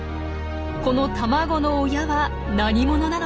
この卵の親は何者なのか？